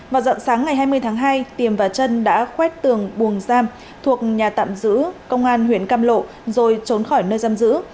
vào dặn sáng ngày hai mươi tháng hai tiềm và trân đã khuét tường buồng giam thuộc nhà tạm giữ công an huyện cam lộ rồi trốn khỏi nơi giam giữ